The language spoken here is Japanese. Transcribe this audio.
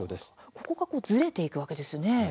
ここがずれるわけですね。